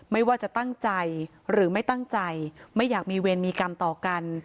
ไม่ว่าจะตั้งใจหรือไม่ตั้งใจไม่อยากมีเวรมีกรรมต่อกัน